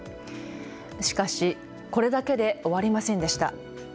しかしこれだけで終わりませんでした。